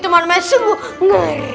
itu makanan saya sungguh ngeri